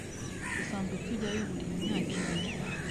Dusanzwe tujyayo buri myaka ibiri